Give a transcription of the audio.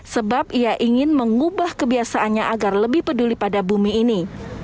sebab ia ingin mengubah kebiasaannya agar lebih peduli pada bumi ini